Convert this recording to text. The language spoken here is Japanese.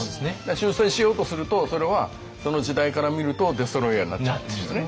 修正しようとするとそれはその時代から見るとデストロイヤーになっちゃいますけどね。